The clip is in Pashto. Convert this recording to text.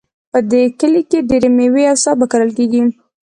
په دې کلي کې ډیری میوې او سابه کرل کیږي